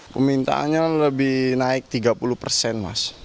permintaannya lebih naik tiga puluh persen mas